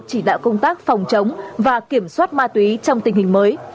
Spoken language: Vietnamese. chỉ đạo công tác phòng chống và kiểm soát ma túy trong tình hình mới